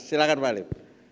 silahkan pak halim